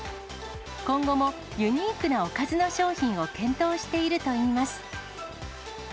今後もユニークなおかずの商品を検討しているといいます。